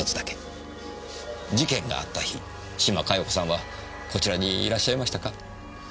事件があった日島加代子さんはこちらにいらっしゃいましたか？